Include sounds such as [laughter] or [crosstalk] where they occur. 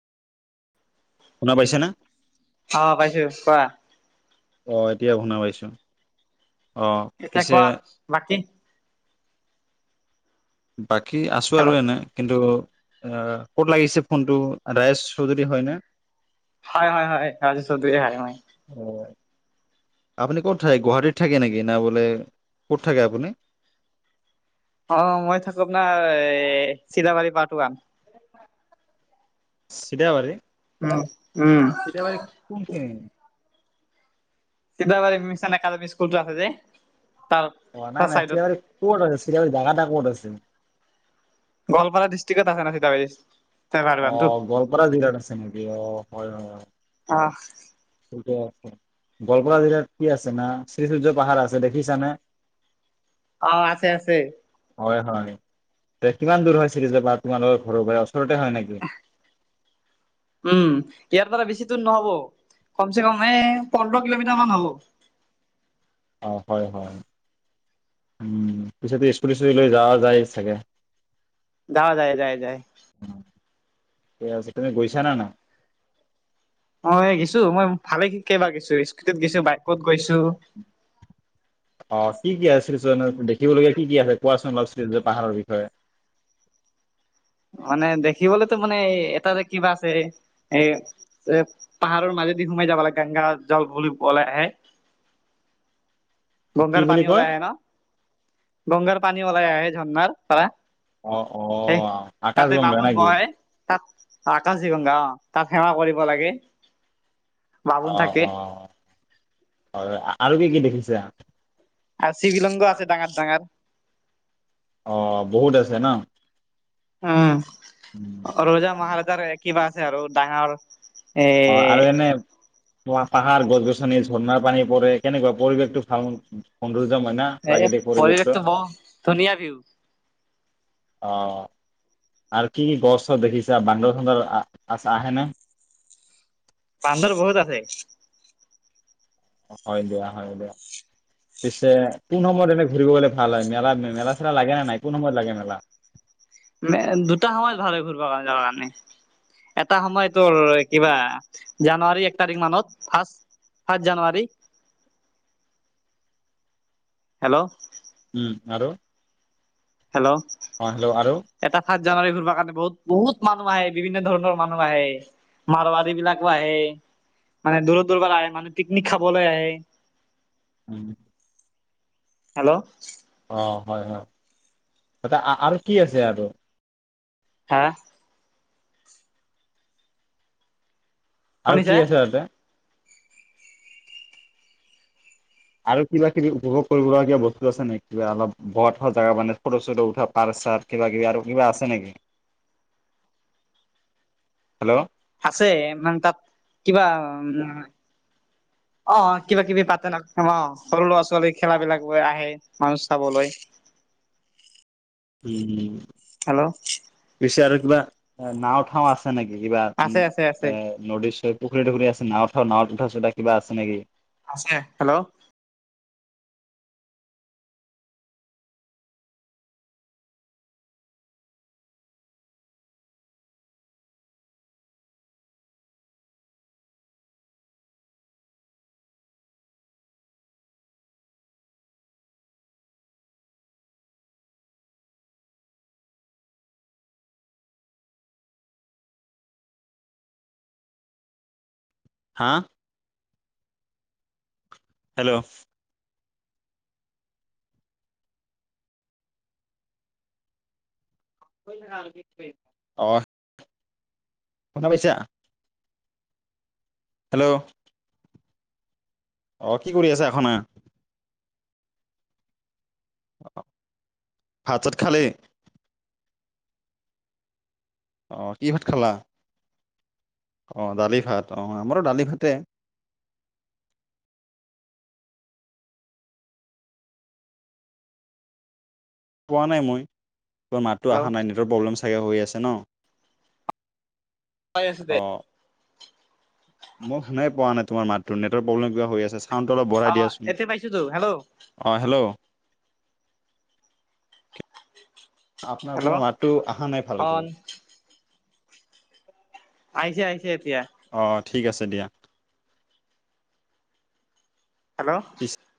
শুনা পাইছে না? অ পাইছো কোৱা অ এতিয়া শুনা পাইছো অ' এতিয়া পিছে কোৱা বাকী বাকী আছো আৰু হেল্ল' এনে কিন্তু আহ ক'ত লাগিছে ফোনটো ৰায়েশ চৌধুৰী হয়নে হয় হয় হয় ৰাজ চধুৱে হয়। অ আপুনি ক'ত থাকে? গুৱাহাটীত থাকে নেকি না বোলে, ক'ত থাকে আপুনি? অ মই থাকো আপোনাৰ এ চিলাবাৰী পাৰ্ত ৱান। চিলা বাৰি? অহ। [unintelligible] কোন খিনি? সিদাবাৰি মিছান একাদেমি কুল'তো আছে যে। তাৰ অ নাই তাৰ নাই চাইডত চিৰাবাৰি কত আছে? চিৰাবৰি জাগাটা ক'ত আছে? [inaudible] গোৱালপাৰা [unintelligible] অ, টো গোৱালপাৰা জিলাত আছে নেকি? অ হয় হয় অ ঠিকে আছে গোৱালপাৰা জিলাত কি আছে না, শ্ৰীসূৰ্য পাহাৰ আছে দেখিছানে? অ আছে আছে। হয় হয় এ কিমান দূৰ হয় [unintelligible] তোমালোকৰ ঘৰৰ পৰা? ওচৰতে হয় নেকি? উম, ইয়াৰ পৰা বেছি দূৰ নহব। কম চে কম এ অ', পোন্ধৰ কিলোমিটাৰ মান হ'ব। অ হয় হয়। উম পিছে টো স্কুুল স্কুতি লৈ যা যায় চাগে? যা যায়ে যায় যায়। এইয়া আজি তুমি গৈছা নে নাই? গৈছো বাইকত গৈছো। অ কি কি আছিল? [inaudible] দেখিবলগীয়া কি কি আছে কোৱাচোন? [inaudible] যে পাহাৰৰ বিষয়ে। মানে দেখিবলেতো মানে এটা যে কিবা আছে এ এ পাহাৰৰ মাজেদি সোমাই যাব লাগে [unintelligible] জল বুলি বল আহে। কি গংগাৰ বুলি পানী কয়? ওলাই আহে ন? গংগাৰ পানী ওলাই আহে, ঝৰণাৰ পাৰা। অ', হে অ', তাতে আকাশগংগা বামুণ নেকি? বহে। অ আকাজী গংগা আ। তাক সেৱা কৰিব লাগে। বামুণ অ থাকে অ হয় আৰু কি কি দেখিছা আৰু শিৱিলিংগ আছে ডাঙৰ ডাঙাৰ অ বহুত আছে না ওম ৰোজা মহাৰাজা কিবা আ আৰু ডাঙৰ এ অ আৰু এনে পাহাৰ গছ গছনি ঝৰ্ণাৰ পানী পৰে কেনেকুৱা পৰিৱেশ টো ভাল সৌন্দৰ্য্য এই পৰিৱেশটো ব ধুনীয়া ভিউ আহ আৰু কি কি গড় চৰ দেখিছা বান্দৰ চান্দৰ আছো আহেনে বান্দৰ বহুত আছে হয় দিয়া হয় দিয়া পিছে কোন সময়ত এনে ঘূৰিবলে ভাল হয় মেলা মেলা চেলা লাগে নে নাই কোন সময়ত লাগে মেলা দুটা সল ভাল ঘূৰিব কাৰণ যাব কাৰণে এটা সময় তোৰ কিবা জানুৱাৰী এক তাৰিখ মানত ফাৰ্ষ্ট ফাৰ্ষ্ট জানুৱাৰী হেল্ল' উম আৰু হেল্ল' অ হেল্ল' আৰু এটা ভ জানুৱী ফুবা কাৰণে বহুত বহুত মানুহ আহে বিভিন্ন ধৰণৰ মানুহ আহে মাৰবাৰী বিলাকো আহে মানে দূৰ দূৰ পৰা আহে মানুহ পিকনিক খাবলৈ আহে উম হেল্ল' অ হয় হয় ত আৰু কি আছে আৰু হা আৰু শুনিছে কি আছে তাতে আৰু কিবা কিবি উপভোগ আৰু কিবা কিবি বস্ত আছে নেকি কিবা অলপ বোৱা থোৱা জগা মানে ফটো চটো উঠা পাৰ্ক চাৰ্ক কিবা কিবা আৰু কিবা আছে নেকি হেল্ল' আছে মানে তাত কিবা অ কিবা কিবি পা ন অ সৰু ল আছো খেলাবেলাক আহে মানুহ চাবলৈ উম উম হেল্ল' আচ্ছা আৰু কিবা নাওঁ থাও আছে নেকি নিদিবা আছে আছে আছে ওম নদি চদি পুখুৰি টো গোতে আছে নাওঁ চাও উঠিব কিবা আছে নেকি আছে হেল্ল' হা হেল্ল' অহ শুনা পাইছা হেল্ল' আহ কি কৰি আছা এখনা? ভাত চাত খালি? অ কি ভাত খালা? অ দালি ভাত অ আমাৰো দালি ভাতে। পোৱা নাই মই। মাতটো হেল্ল' আহা নাই নিজৰ প্ৰব্লেম [unintelligible] হৈ আছে ন? পাই আছোঁ দে। অ মই শুনাই পোৱা নাই তোমাৰ মাতটো, নেটৱ প্ৰব্লেম কিবা হৈ আছে চাউণ্ডটো অলপ অ বঢ়াই দিয়াচোন। এতিয়া পাইছোতো হেল্ল' অ হেল্ল' হেল্ল' আপোনালোকৰ মাতটো আহা নাই অ ভালকে। আহিছে আহিছে এতিয়া। অ ঠিক আছে দিয়া। হেল্ল'। পিছে